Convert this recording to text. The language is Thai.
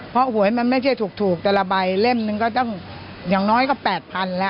เพราะหวยมันไม่ใช่ถูกแต่ละใบเล่มนึงก็ต้องอย่างน้อยก็๘๐๐๐แล้ว